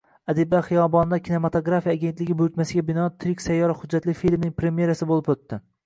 Adiblar xiyobonida Kinematografiya agentligi buyurtmasiga binoan “Tirik sayyora” hujjatli filmining premyerasi boʻlib oʻtdi.